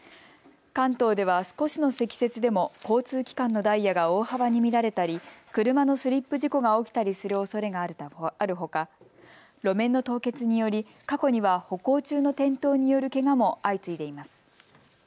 関東では少しの積雪でも交通機関のダイヤが大幅に乱れたり車のスリップ事故が起きたりするおそれがあるほか路面の凍結により過去には歩行中の転倒によるけがも相次いでいます。